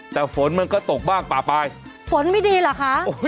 แต่ฝนมันก็ตกบ้างป่าปลายฝนไม่ดีเหรอคะ